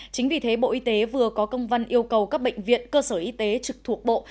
chính vì thế bộ y tế vừa có công văn yêu cầu các bệnh viện cơ sở y tế trực thuộc bộ